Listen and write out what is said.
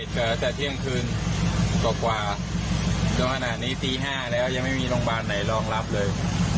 แต่เที่ยงคืนกว่าจนขนาดนี้ตี๕แล้วยังไม่มีโรงพยาบาลไหนรองรับเลย